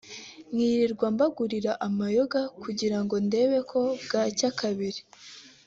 nkirirwa mbagurira amayoga kugirango ndebe ko bwacya kabiri”